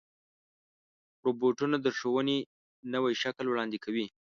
روبوټونه د ښوونې نوی شکل وړاندې کوي.